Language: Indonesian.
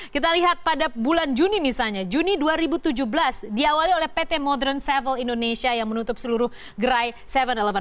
kita lihat pada bulan juni misalnya juni dua ribu tujuh belas diawali oleh pt modern sevil indonesia yang menutup seluruh gerai tujuh eleven